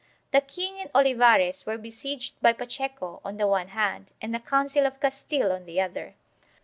The king and Olivares were besieged by Pacheco on the one hand and the Council of Castile on the other.